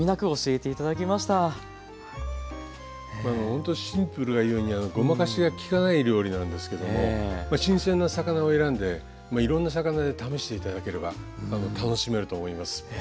ほんとシンプルがゆえにごまかしがきかない料理なんですけども新鮮な魚を選んでいろんな魚で試していただければ楽しめると思います。